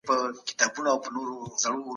د دغي کوڅې په مابينځ کي مي د خپل استاد مننه وکړه.